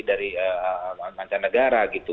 dari mancanegara gitu